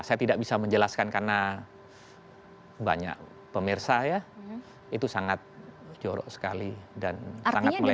saya tidak bisa menjelaskan karena banyak pemirsa ya itu sangat jorok sekali dan sangat melemah